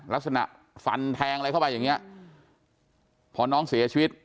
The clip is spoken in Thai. ลักษณะฟันแทงอะไรเข้าไปอย่างเงี้ยพอน้องเสียชีวิต